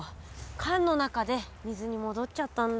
缶の中で水に戻っちゃったんだ。